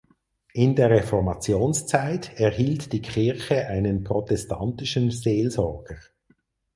In der Reformationszeit erhielt die Kirche einen protestantischen Seelsorger.